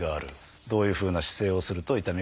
どういうふうな姿勢をすると痛みが増す。